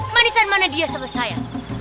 manisan mana dia selesai ya